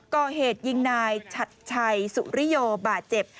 ก่อเหตุยิงนายชัดชัยสุริโยบาดเจ็บ